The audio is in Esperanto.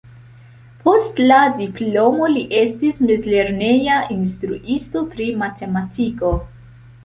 Post la diplomo li estis mezlerneja instruisto pri matematiko.